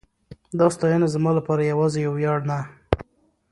دا ستاینه زما لپاره یواځې یو ویاړ نه